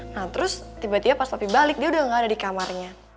nah terus tiba tiba pas tapi balik dia udah gak ada di kamarnya